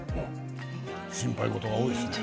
心配事が多いですね。